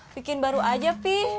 bikin baru aja pi